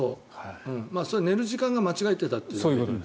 寝る時間を間違えていたという。